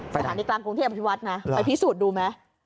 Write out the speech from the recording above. สถานีกลางกรุงเทพอภิวัตนะไปพิสูจน์ดูไหม